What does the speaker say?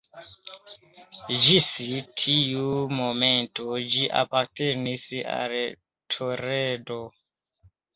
Ĝis tiu momento ĝi apartenis al Toledo.